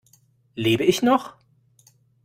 Lebe ich noch?